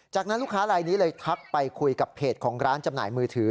จากนั้นลูกค้าลายนี้เลยทักไปคุยกับเพจของร้านจำหน่ายมือถือ